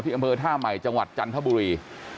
อำเภอท่าใหม่จังหวัดจันทบุรี